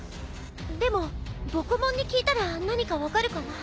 でもボコモンに聞いたら何か分かるかな？